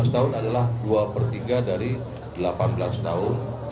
lima belas tahun adalah dua per tiga dari delapan belas tahun